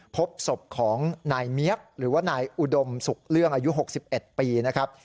พบศพของนายเมียกหรือว่านายอุดมสุขเรื่องอายุ๖๑ปีนะครับ